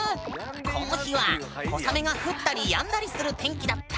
この日は小雨が降ったりやんだりする天気だった。